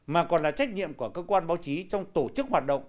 mà còn là trách nhiệm của cơ quan báo chí trong tổ chức hoạt động